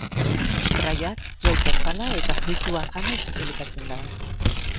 Sustraiak, zuhaitz azala eta fruituak janez elikatzen da.